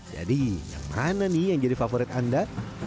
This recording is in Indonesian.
jadi yang mana nih yang jadi favorit anda